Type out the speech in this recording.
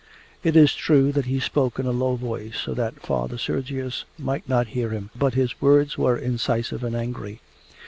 It is true that he spoke in a low voice so that Father Sergius might not hear him, but his words were incisive and angry.